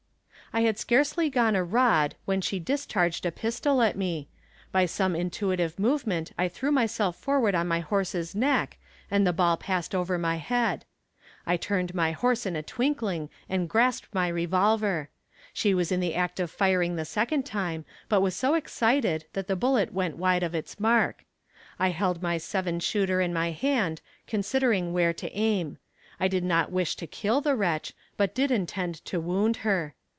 I had scarcely gone a rod when she discharged a pistol at me; by some intuitive movement I threw myself forward on my horse's neck and the ball passed over my head. I turned my horse in a twinkling, and grasped my revolver. She was in the act of firing the second time, but was so excited that the bullet went wide of its mark. I held my seven shooter in my hand, considering where to aim. I did not wish to kill the wretch, but did intend to wound her.